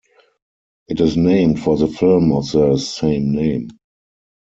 It is named for the film of the same name.